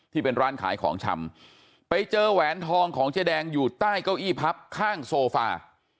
ที่เป็นร้านขายของชำไปเจอแหวนทองของเจ๊แดงอยู่ใต้เก้าอี้พับข้างโซฟา